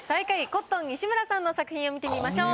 コットン西村さんの作品を見てみましょう。